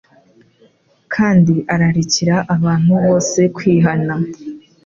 kandi ararikira abantu bose kwihana.